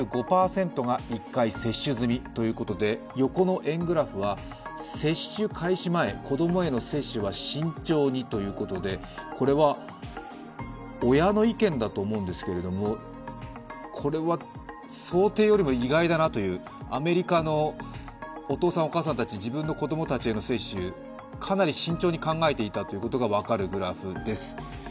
２５％が１回接種済みということで横の円グラフは接種開始前子供への接種は慎重にということでこれは親の意見だと思うんですけど、想定よりも意外だなという、アメリカのお父さん、お母さんたち自分の子供たちへの接種かなり慎重に考えていたということが分かるグラフです。